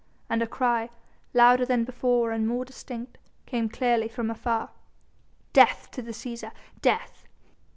And a cry, louder than before and more distinct, came clearly from afar. "Death to the Cæsar! Death!"